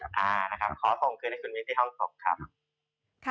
อ่านะครับขอส่งคืนให้คุณวิทย์ที่เข้าส่งครับ